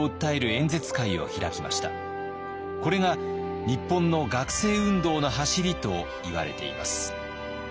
これが日本の学生運動のはしりといわれています。